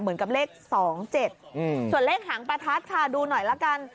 เหมือนกับเลข๒๗ส่วนเลขหางประทัดค่ะดูหน่อยละกัน